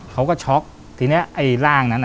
เขาก็ช็อคทีนี้ไอ้ร่างนั้น